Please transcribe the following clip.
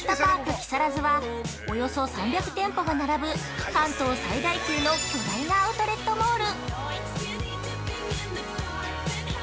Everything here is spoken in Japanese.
木更津は、およそ３００店舗が並ぶ関東最大級の巨大なアウトレットモール。